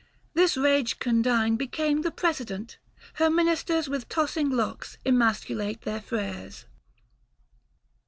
This rage condign Became the precedent, her ministers With tossing locks emasculate their freres."